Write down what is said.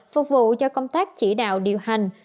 phục vụ cho công tác chỉ đạo điều hành